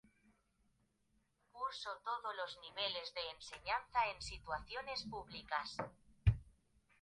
Cursó todos los niveles de enseñanza en instituciones públicas.